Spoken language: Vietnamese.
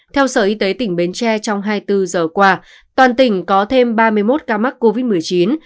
theo sở y tế tỉnh bến tre trong hai mươi bốn giờ qua toàn tỉnh có thêm ba mươi một ca mắc covid một mươi chín